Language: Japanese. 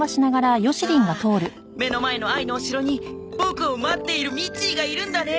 ああ目の前の愛のお城にボクを待っているミッチーがいるんだね。